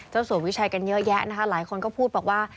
สัววิชัยกันเยอะแยะนะคะหลายคนก็พูดบอกว่า